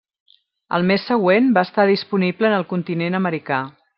Al mes següent va estar disponible en el continent americà.